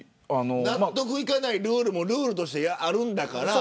納得いかないルールもルールとしてあるんだから。